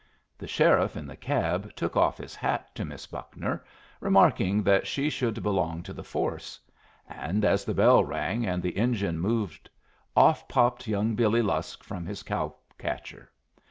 The sheriff in the cab took off his hat to Miss Buckner, remarking that she should belong to the force; and as the bell rang and the engine moved, off popped young Billy Lusk from his cow catcher.